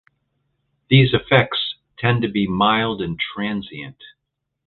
These effects tend to be mild and transient.